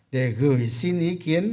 để gửi xin ý kiến